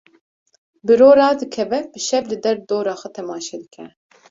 Bi ro radikeve bi şev li der û dora xwe temaşe dike.